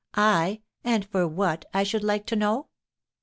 I! and for what, I should like to know?